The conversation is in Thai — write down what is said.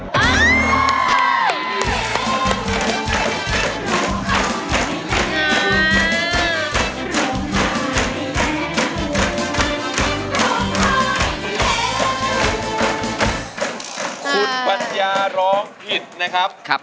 คุณปัญญาร้องผิดนะครับ